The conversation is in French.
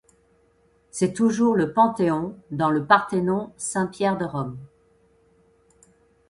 C'est toujours le Panthéon dans le Parthénon, Saint-Pierre de Rome.